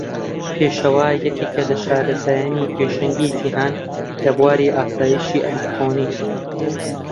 پێشەوا یەکێکە لە شارەزایانی پێشەنگی جیهان لە بواری ئاسایشی ئەلیکترۆنی.